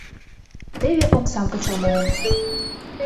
Теве омсам кычал муым.